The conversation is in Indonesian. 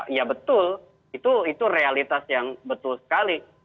ya betul itu realitas yang betul sekali